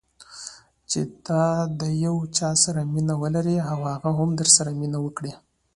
چې ته د یو چا سره مینه ولرې او هغه هم درسره مینه وکړي.